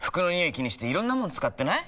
気にしていろんなもの使ってない？